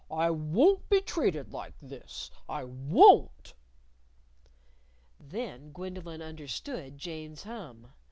I won't be treated like this! I won't!" Then Gwendolyn understood Jane's hum!